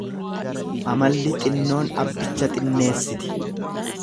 Amalli xinnoon abbicha xinneessiti.